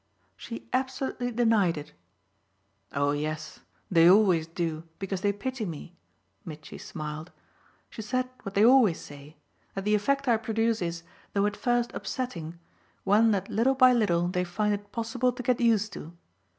"She absolutely denied it." "Oh yes they always do, because they pity me," Mitchy smiled. "She said what they always say that the effect I produce is, though at first upsetting, one that little by little they find it possible to get used to.